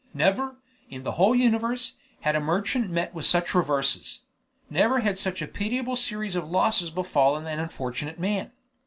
Never, in the whole universe, had a merchant met with such reverses; never had such a pitiable series of losses befallen an unfortunate man.